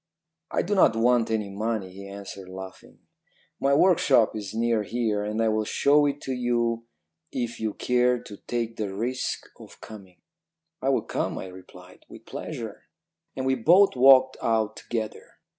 "'I do not want any money,' he answered laughing. 'My workshop is near here, and I will show it to you if you care to take the risk of coming.' "'I will come,' I replied, 'with pleasure.' "And we both walked out together.